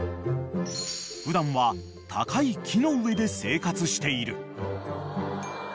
［普段は高い木の上で生活している］